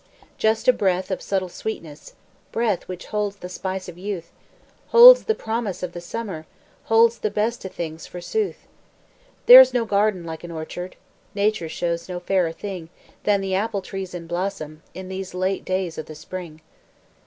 Just a breath of subtle sweetness, Breath which holds the spice o' youth, Holds the promise o' the summer Holds the best o' things, forsooth. There's no garden like an orchard, Nature shows no fairer thing Than the apple trees in blossom In these late days o' the spring.